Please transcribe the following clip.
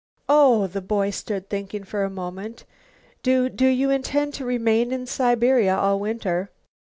"Oh!" The boy stood thinking for a moment. "Do do you intend to remain in Siberia all winter?"